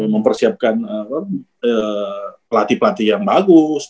mempersiapkan pelatih pelatih yang bagus